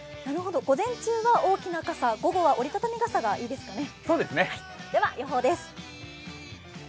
午前中は大きな傘、午後は折りたたみ傘がいいですね。